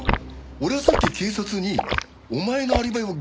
俺はさっき警察にお前のアリバイを偽証したのか？